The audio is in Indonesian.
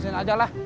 kita bensin aja lah